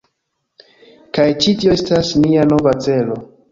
Kaj ĉi tio estas nia nova celo